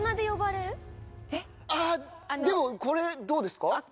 あっでもこれどうですか？